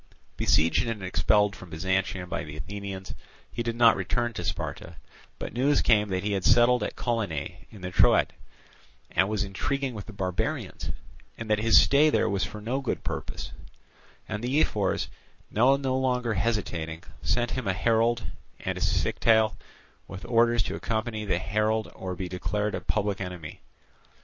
Besieged and expelled from Byzantium by the Athenians, he did not return to Sparta; but news came that he had settled at Colonae in the Troad, and was intriguing with the barbarians, and that his stay there was for no good purpose; and the ephors, now no longer hesitating, sent him a herald and a scytale with orders to accompany the herald or be declared a public enemy.